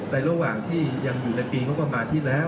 แต่ระหว่างที่ยังอยู่ในปีเขาก็มาที่แล้ว